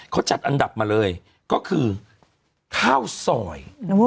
เขาจัดอันดับมาเลยก็คือข้าวซอย